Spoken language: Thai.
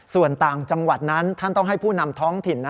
ส่วนต่างจังหวัดนั้นท่านต้องให้ผู้นำท้องถิ่น